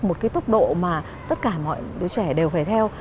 một cái tốc độ mà tất cả mọi đứa trẻ đều phải theo